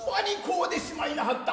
うでしまいなはった。